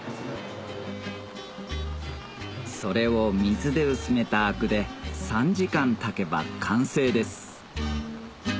・それを水で薄めた灰汁で３時間炊けば完成です